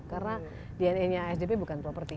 karena dna nya asdp bukan property